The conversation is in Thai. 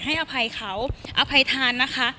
อภัยเขาอภัยทานนะคะ